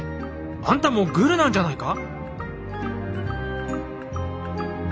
あんたもグルなんじゃないか？